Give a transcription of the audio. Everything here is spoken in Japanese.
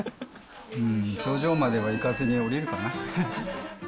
頂上までは行かずに下りるかな。